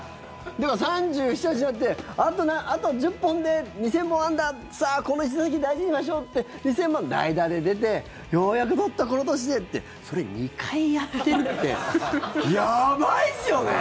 だから、３７３８になってあと１０本で２０００本安打さあこの１打席大事にしましょうって２０００本、代打で出てようやく取った、この年でってそれ２回やってるってやばいっすよね。